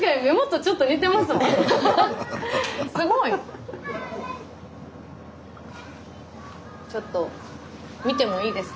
すごい！ちょっと見てもいいですか？